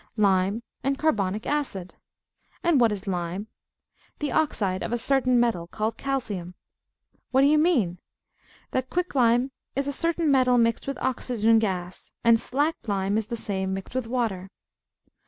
Lime and carbonic acid. And what is lime? The oxide of a certain metal, called calcium. What do you mean? That quicklime is a certain metal mixed with oxygen gas; and slacked lime is the same, mixed with water.